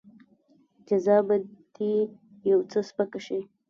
جزا به دې يو څه سپکه شي.